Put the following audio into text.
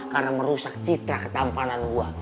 karena merusak citra ketampanan gue